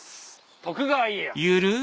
徳川家康。